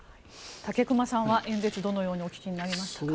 武隈さんは演説をどのようにお聞きになりましたか。